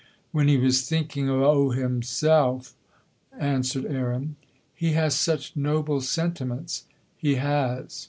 "When he was thinking o' himsel'," answered Aaron. "He has such noble sentiments." "He has."